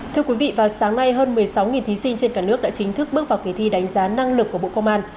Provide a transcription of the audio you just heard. thưa quý vị vào sáng nay hơn một mươi sáu thí sinh trên cả nước đã chính thức bước vào kỳ thi đánh giá năng lực của bộ công an